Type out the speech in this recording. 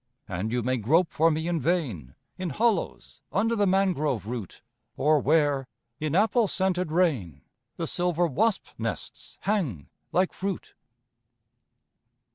And you may grope for me in vain In hollows under the mangrove root, Or where, in apple scented rain, The silver wasp nests hang like fruit.